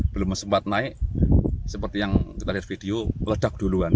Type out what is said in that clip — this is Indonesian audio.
belum sempat naik seperti yang kita lihat video ledak duluan